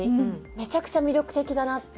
めちゃくちゃ魅力的だなって。